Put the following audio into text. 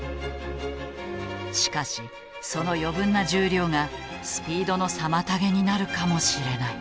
しかしその余分な重量がスピードの妨げになるかもしれない。